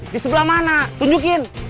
di sebelah mana tunjukin